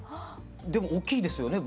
でもおっきいですよね？